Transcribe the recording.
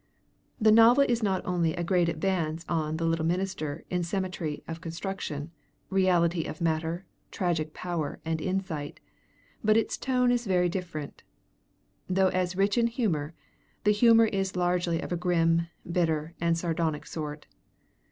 This novel is not only a great advance on 'The Little Minister' in symmetry of construction, reality of matter, tragic power, and insight, but its tone is very different. Though as rich in humor, the humor is largely of a grim, bitter, and sardonic sort.